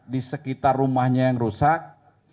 di sekitar rumahnya yang rusak